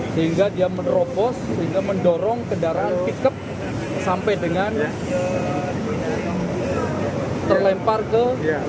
sehingga dia menerobos sehingga mendorong kendaraan tikep sampai dengan terlempar ke tiga puluh lima